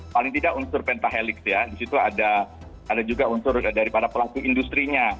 paling tidak unsur pentahelix ya di situ ada juga unsur dari para pelaku industri nya